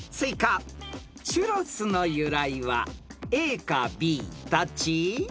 ［チュロスの由来はＡかＢどっち？］